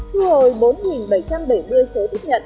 thu hồi bốn bảy trăm bảy mươi số tiếp nhận